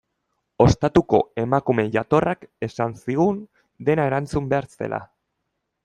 Ostatuko emakume jatorrak esan zigun dena erantzun behar zela.